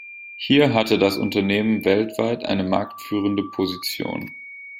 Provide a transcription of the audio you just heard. Hier hatte das Unternehmen weltweit eine marktführende Position.